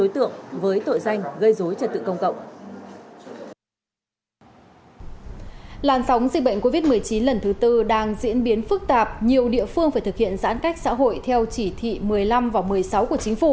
trong lúc hà nội đang diễn biến phức tạp nhiều địa phương phải thực hiện giãn cách xã hội theo chỉ thị một mươi năm và một mươi sáu của chính phủ